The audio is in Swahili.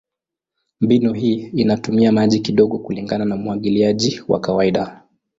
Mbinu hii inatumia maji kidogo kulingana na umwagiliaji wa kawaida.